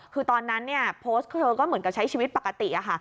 คือตอนนั้นเนี่ยโพสต์เธอก็เหมือนกับใช้ชีวิตปกติค่ะ